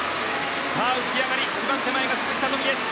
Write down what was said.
浮き上がり一番手前が鈴木聡美です。